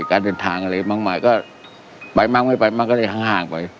การเดินทางอะไรมากมายก็ไปมั้งไม่ไปมั่งก็เลยห่างไป